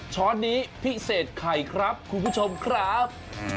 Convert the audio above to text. ช้อนนี้พิเศษไข่ครับคุณผู้ชมครับ